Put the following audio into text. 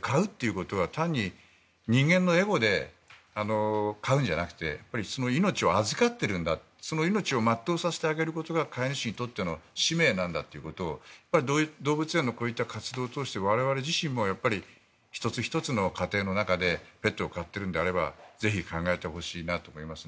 飼うということは単に人間のエゴで飼うんじゃなくてその命を預かっているんだその命を全うさせてあげることが飼い主にとっての使命だということを動物園の活動を通して我々自身も１つ１つの過程の中でペットを飼っているのであればぜひ、考えてほしいなと思います。